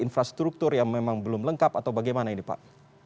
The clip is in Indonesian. infrastruktur yang memang belum lengkap atau bagaimana ini pak